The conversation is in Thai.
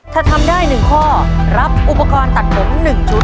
ถ้าทำได้๑ข้อรับอุปกรณ์ตัดผม๑ชุด